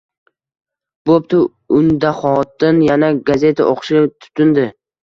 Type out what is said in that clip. Bo`pti undaxotin yana gazeta o`qishga tutindi